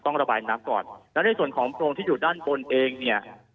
ระบายน้ำก่อนและในส่วนของโพรงที่อยู่ด้านบนเองเนี่ย